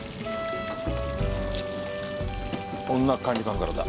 女管理官からだ。